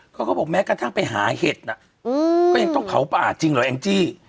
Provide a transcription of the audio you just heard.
เขาบอกแม้กระทั่งไปหาเห็ดน่ะก็ยังต้องเผาป่าจริงเหรอแองจี้